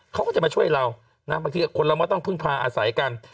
เขาก็จะมาช่วยเรานะบางทีคนเราก็ต้องพึ่งพาอาศัยกัน